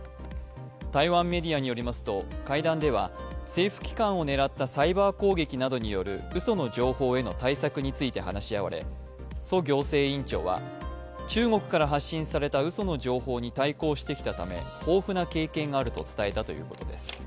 台湾メディアによりますと会談では、政府機関を狙ったサイバー攻撃などによるうその情報への対策について話し合われ、蘇行政院長は、蘇行政院長は中国から発信されたうその情報に対抗してきたためということです。